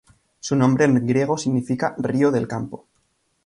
Su nombre en griego significa "río del campo".